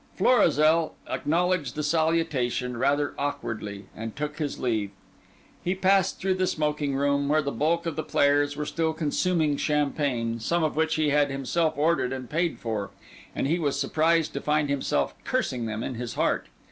Florizel acknowledged the salutation rather awkwardly, and took his leave. He passed through the smoking room, where the bulk of the players were still consuming champagne, some of which he had himself ordered and paid for; and he was surprised to find himself cursing them in his heart.